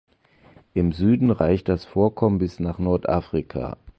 Im Süden reicht das Vorkommen bis nach Nordafrika.